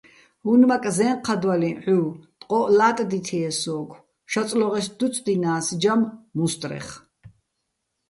უ̂ნმაკ ზე́ნჴადვალიჼ ჺუვ, ტყო́ჸ ლა́ტდითიე სო́გო̆, შაწლოღეშ დუწდინა́ს ჯამ მუსტრეხ.